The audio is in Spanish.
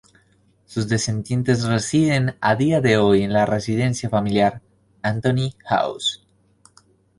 Sus descendientes residen a día de hoy en la residencia familiar: Antony House.